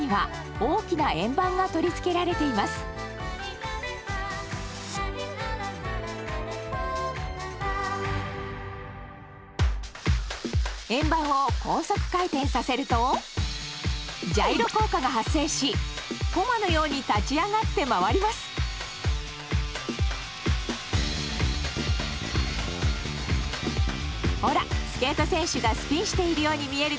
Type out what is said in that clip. ほらスケート選手がスピンしているように見えるでしょ。